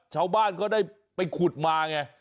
ชาวบ้านเขาได้ไปขุดมาไง